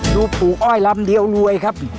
ปู่อ้อยลำเดียวรวยครับ